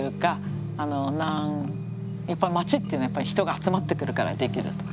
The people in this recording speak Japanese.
やっぱり街っていうのは人が集まってくるからできると。